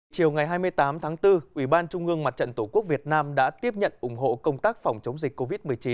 chiều ngày hai mươi tám tháng bốn ủy ban trung ương mặt trận tổ quốc việt nam đã tiếp nhận ủng hộ công tác phòng chống dịch covid một mươi chín